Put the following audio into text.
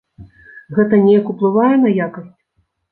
Гэта неяк уплывае на якасць?